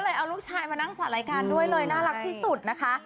เอาลูกชายมานั่งสอนรายการด้วยเลยน่ารักที่สุดนะคะ